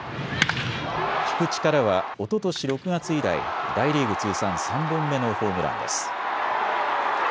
菊池からはおととし６月以来大リーグ通算３本目のホームランです。